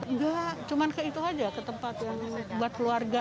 enggak cuma ke itu aja ke tempat yang buat keluarga